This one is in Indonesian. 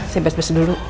saya bes bes dulu